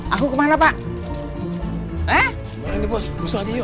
aku kemana pak